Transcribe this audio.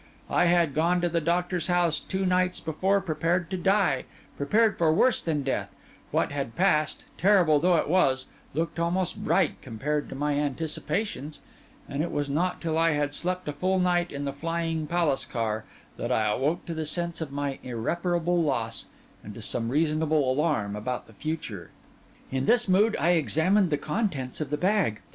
I had gone to the doctor's house two nights before prepared to die, prepared for worse than death; what had passed, terrible although it was, looked almost bright compared to my anticipations; and it was not till I had slept a full night in the flying palace car, that I awoke to the sense of my irreparable loss and to some reasonable alarm about the future. In this mood, I examined the contents of the bag.